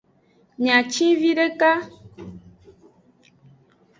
Miacen videka.